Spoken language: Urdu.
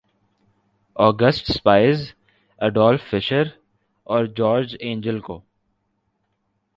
آ گسٹ سپائز ‘ایڈولف فشر اور جارج اینجل کو